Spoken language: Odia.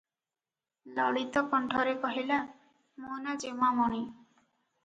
ଲଳିତ କଣ୍ଠରେ କହଲା-“ମୋ' ନାଁ ଯେମାମଣି ।"